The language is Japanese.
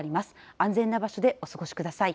安全な場所でお過ごしください。